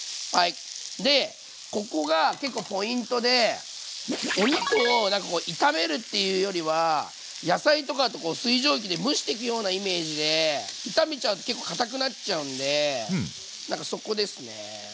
でここが結構ポイントでお肉を何かこう炒めるっていうよりは野菜とかとこう水蒸気で蒸していくようなイメージで炒めちゃうと結構かたくなっちゃうんでなんかそこですね。